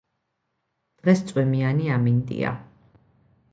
დღეს წვიმიანი ამინდია